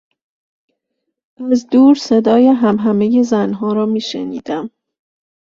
از دور صدای همهمهی زنها را میشنیدم.